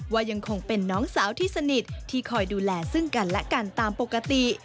ว่ายังคงเป็นน้องสาวที่สนิทที่คอยดูแลซึ่งกันและกันตามปกติ